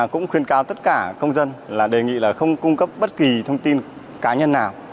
cũng khuyên cáo tất cả công dân là đề nghị là không cung cấp bất kỳ thông tin cá nhân nào